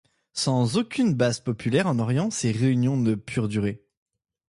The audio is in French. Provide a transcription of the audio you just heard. Sans aucune base populaire en Orient, ces réunions ne purent durer.